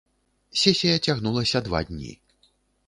Сесія цягнулася два дні.